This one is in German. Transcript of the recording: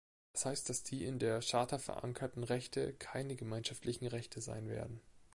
Das heißt, dass die in der Charta verankerten Rechte keine gemeinschaftlichen Rechte sein werden.